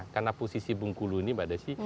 karena posisi bung kulu ini mbak desy